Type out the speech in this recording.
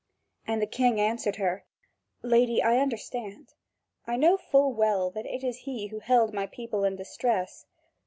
And the King answered her: "Lady, I understand; I know full well that it is he who held my people in distress."